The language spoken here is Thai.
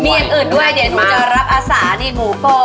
มีอย่างอื่นด้วยเดี๋ยวหนูจะรับอาสานี่หมูโป